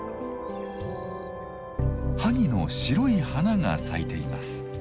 ハギの白い花が咲いています。